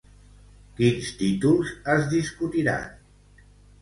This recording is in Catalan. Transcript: Quins títols es discutiran?